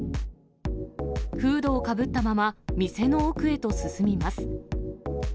フードをかぶったまま店の奥へと進みます。